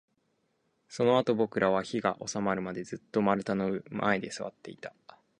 そのあと、僕らは火が収まるまで、ずっと丸太の前で座っていた